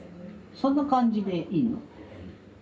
そんな感じでいいの？